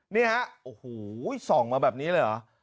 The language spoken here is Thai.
นี่ฮะโอ้โหส่องมาแบบนี้เลยเหรอ